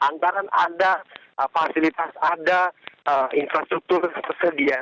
anggaran ada fasilitas ada infrastruktur tersedia